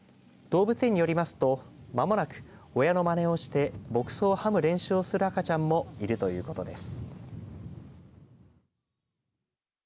動物園によりますとまもなく親のまねをして牧草をはむ練習をする赤ちゃんもいるということです。